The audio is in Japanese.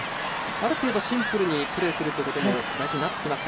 ある程度、シンプルにプレーすることも大事になってきますか。